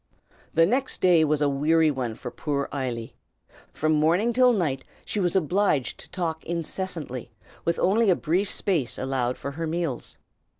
The next day was a weary one for poor Eily. From morning till night she was obliged to talk incessantly, with only a brief space allowed for her meals.